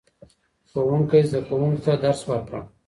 ښوونکی زده کوونکو ته درس ورکړ